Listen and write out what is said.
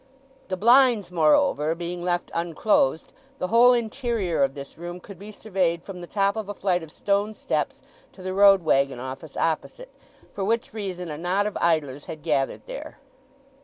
The blinds, moreover, being left unclosed, the whole interior of this room could be surveyed from the top of a flight of stone steps to the road waggon office opposite, for which reason a knot of idlers had gathered there.